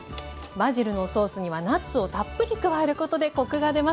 バジルのソースにはナッツをたっぷり加えることでコクが出ます。